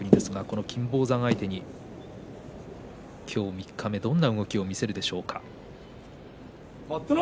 金峰山相手に今日、三日目どんな動きを見せるでしょうか。